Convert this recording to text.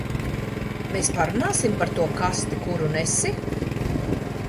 Mēs parunāsim par to kasti, kuru nesi?